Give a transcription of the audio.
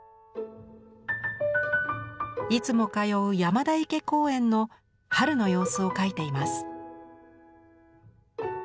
いつも通う山田池公園の春の様子を描いています。